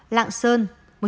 lạng sơn một trăm bảy mươi bảy